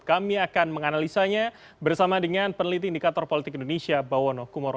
kami akan menganalisanya bersama dengan peneliti indikator politik indonesia bawono kumoro